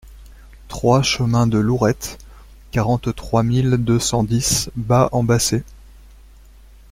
trois chemin de Lourette, quarante-trois mille deux cent dix Bas-en-Basset